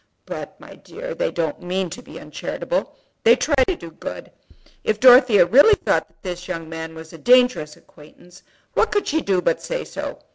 "But, my dear, they don't mean to be uncharitable. They try to do good. If Dorothea really thought that this young man was a dangerous acquaintance what could she do but say so?